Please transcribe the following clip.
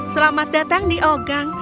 selamat datang di ogang